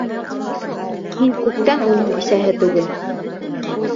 Һин күптән уның бисәһе түгел.